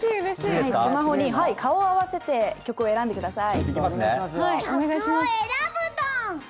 スマホに顔を合わせて曲を選んでください。